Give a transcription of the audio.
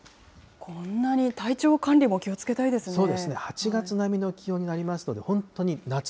こんなに、体調の管理も気をつけたいですね。